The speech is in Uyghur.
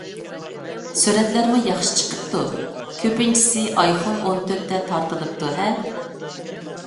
سۈرەتلەرمۇ ياخشى چىقىپتۇ، كۆپىنچىسى ئايفون ئون تۆتتە تارتىلىپتۇ-ھە؟